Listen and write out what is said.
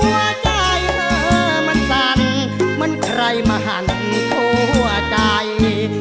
หัวใจเธอมันสั่นเหมือนใครมาหันทั่วใจ